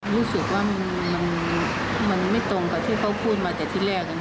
รู้สึกว่ามันไม่ตรงกับที่เขาพูดมาแต่ที่แรก